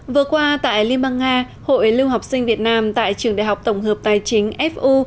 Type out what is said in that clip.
vừa qua tại liên bang nga hội lưu học sinh việt nam tại trường đại học tổng hợp tài chính fu